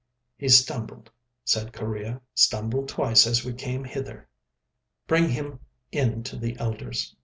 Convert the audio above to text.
"He stumbled," said Correa—"stumbled twice as we came hither." "Bring him in to the elders."